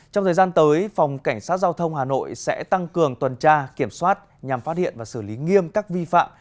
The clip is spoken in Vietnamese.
trong thời gian tới phòng cảnh sát giao thông hà nội sẽ tăng cường tuần tra kiểm soát nhằm phát hiện và xử lý nghiêm các vi phạm